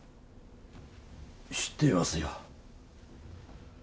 知っていますよ。